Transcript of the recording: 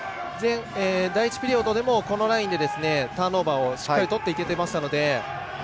第１ピリオドでもこのラインでターンオーバーをしっかりとっていけたので。